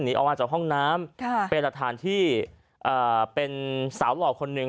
ออกมาจากห้องน้ำเป็นหลักฐานที่เป็นสาวหล่อคนหนึ่ง